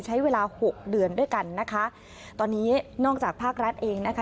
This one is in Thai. ใช้เวลาหกเดือนด้วยกันนะคะตอนนี้นอกจากภาครัฐเองนะคะ